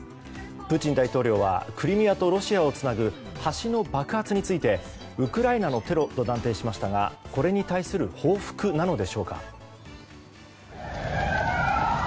プーチン大統領はクリミアとロシアをつなぐ橋の爆発についてウクライナのテロと断定しましたがこれに対する報復なのでしょうか。